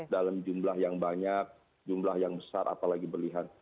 dalam jumlah yang banyak jumlah yang besar apalagi berlian